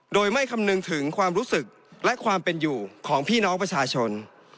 โดยไม่คำนึงถึงความรู้สึกและความเป็นอยู่ของพี่น้องประชาชน